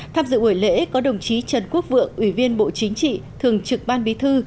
tham dự buổi lễ có đồng chí trần quốc vượng ủy viên bộ chính trị thường trực ban bí thư